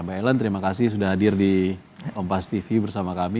mbak ellen terima kasih sudah hadir di kompas tv bersama kami